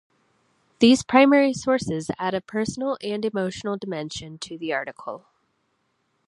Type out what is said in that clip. These primary sources add a personal and emotional dimension to the article.